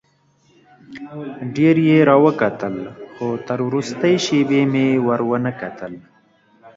ډېر یې راوکتل خو تر وروستۍ شېبې مې ور ونه کتل.